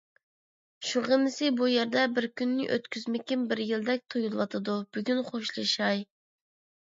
شۇغىنىسى بۇ يەردە بىر كۈننى ئۆتكۈزمىكىم بىر يىلدەك تۇيۇلۇۋاتىدۇ، بۈگۈن خوشلىشاي.